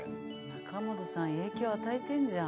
中元さん影響与えてんじゃん。